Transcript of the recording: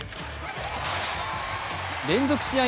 連続試合